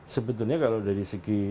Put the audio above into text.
sebetulnya kalau dari segi